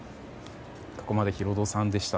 ここまで、ヒロドさんでした。